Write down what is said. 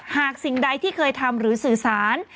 สิ่งใดที่เคยทำหรือสื่อสาร